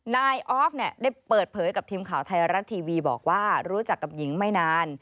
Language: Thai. นายออฟเนี่ยได้เปิดเผยกับทีมข่าวไทยรัฐทีวีบอกว่ารู้จักกับหญิงไม่นาน